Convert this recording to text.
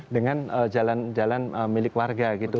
dengan jalan jalan milik warga gitu